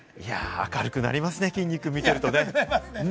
明るくなりますね、きんに君を見てるとね。